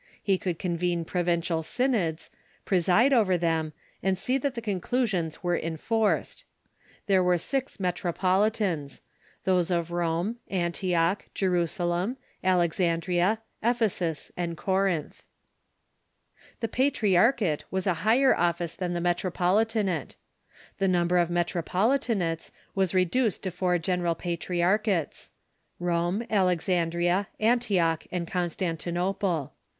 He could convene provincial synods, preside over them, and see that the conclusions were enforced. There were six metropolitans — those of Rome, Antioch, Jerusalem, Alexandria, Ephesus, and Corinth, The patriarchate was a higher office than the metropolitan ate. The number of metropolitanates was reduced to four general patriarchates — Rome, Alexandria, Antioch, and Con stantinople.